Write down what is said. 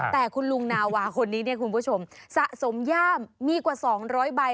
แต่คุณลุงนาวาคนนี้เนี่ยคุณผู้ชมสะสมย่ามมีกว่า๒๐๐ใบ